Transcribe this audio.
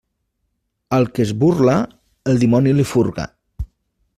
Al que es burla, el dimoni li furga.